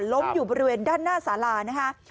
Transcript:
ล้มอยู่ประเภทด้านหน้าสาอารานะคะ